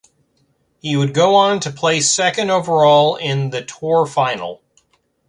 He would go on to place second overall in the Tour Final.